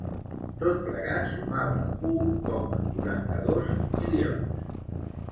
Tot plegat sumava u coma quaranta-dos milions.